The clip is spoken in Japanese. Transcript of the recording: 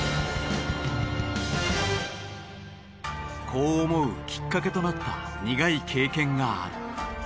こう思うきっかけとなった苦い経験がある。